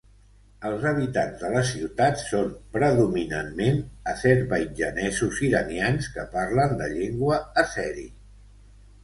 Els habitants de la ciutat són predominantment azerbaidjanesos iranians que parlen la llengua àzeri.